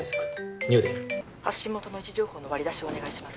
入電発信元の位置情報の割り出しをお願いします